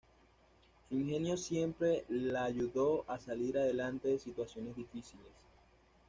Su ingenio siempre la ayudó a salir adelante de situaciones difíciles.